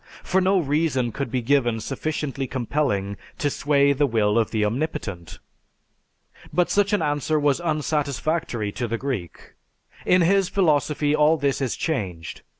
For no reason could be given sufficiently compelling to sway the will of the Omnipotent. But such an answer was unsatisfactory to the Greek. In his philosophy all this is changed.